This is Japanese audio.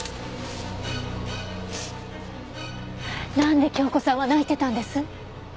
なんで京子さんは泣いてたんです？